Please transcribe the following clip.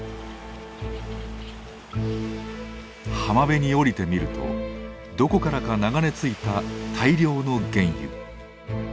浜辺に降りてみるとどこからか流れ着いた大量の原油。